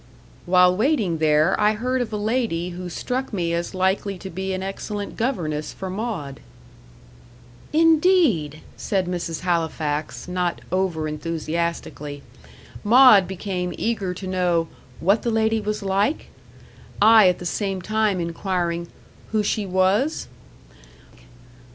"While waiting there I heard of a lady who struck me as likely to be an excellent governess for Maud." "Indeed!" said Mrs. Halifax, not over enthusiastically. Maud became eager to know "what the lady was like?" I at the same time inquiring "who she was?"